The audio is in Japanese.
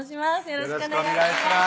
よろしくお願いします